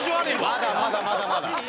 まだまだまだまだ。